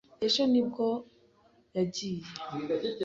Ejo nibwo yagiye.